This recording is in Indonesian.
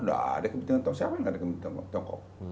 ada kepentingan tiongkok siapa yang nggak ada kepentingan tiongkok